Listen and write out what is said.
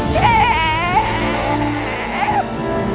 จะหลบไปไหนแล้ว